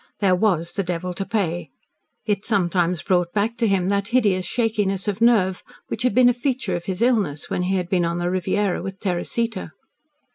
There WAS the devil to pay! It sometimes brought back to him that hideous shakiness of nerve which had been a feature of his illness when he had been on the Riviera with Teresita.